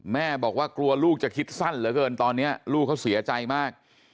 แม่บอกว่ากลัวลูกจะคิดสั้นเหลือเกินตอนนี้ลูกเขาเสียใจมาก